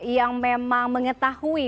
yang memang mengetahui